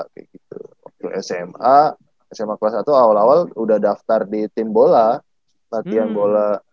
kayak gitu waktu sma sma kelas satu awal awal udah daftar di tim bola latihan bola